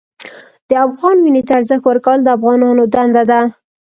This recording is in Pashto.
د افغان وینې ته ارزښت ورکول د افغانانو دنده ده.